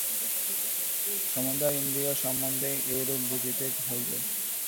সমুদয় ইন্দ্রিয়-সম্বন্ধেই এইরূপ বুঝিতে হইবে।